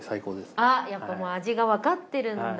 あっやっぱもう味がわかってるんだ。